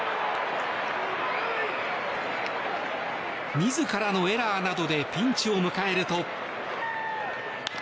自らのエラーなどでピンチを迎えると。